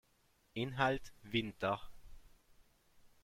Inhalt: Winter.